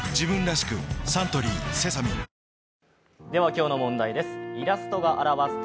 今日の問題です。